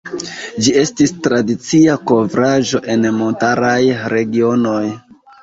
Ĝi estis tradicia kovraĵo en montaraj regionoj.